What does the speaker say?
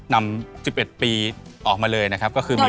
นำ๑๑ปีออกมาเลยนะครับ